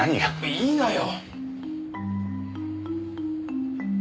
言いなよ！